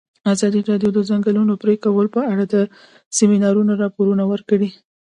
ازادي راډیو د د ځنګلونو پرېکول په اړه د سیمینارونو راپورونه ورکړي.